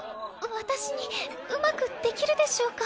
私にうまくできるでしょうか？